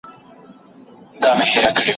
د ښو کتابونو لوستل د انسان ذهن اراموي.